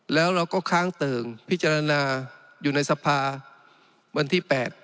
แล้วเราก็ค้างเติ่งพิจารณาอยู่ในสภาวันที่๘